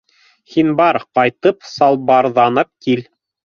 Һин бар, ҡайтып салбарҙанып кил.